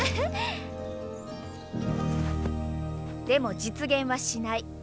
でも実現はしない。